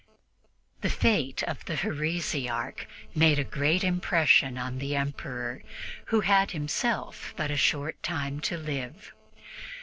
The fate of the heresiarch made a great impression on the Emperor, who had himself but a short time to live.